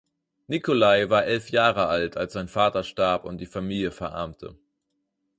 Nikolai war elf Jahre alt, als sein Vater starb und die Familie verarmte.